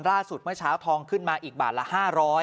เมื่อเช้าทองขึ้นมาอีกบาทละ๕๐๐